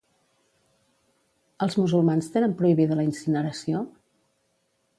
Els musulmans tenen prohibida la incineració?